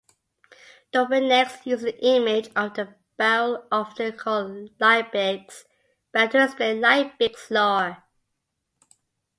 Dobenecks used the image of a barrel-often called Liebig's barrel-to explain Liebig's law.